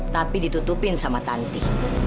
tapi ditutupin sama tanti